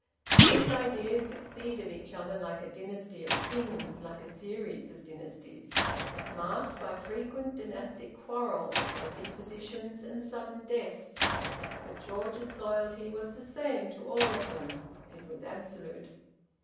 These ideas succeeded each other like a dynasty of kings, like a series of dynasties, marked by frequent dynastic quarrels, by depositions and sudden deaths; but George's loyalty was the same to all of them; it was absolute.